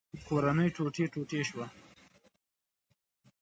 کورنۍ ټوټې ټوټې شوه.